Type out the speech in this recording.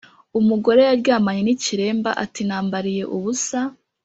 umugore yaryamanye n’ikiremba ati nambariye ubusa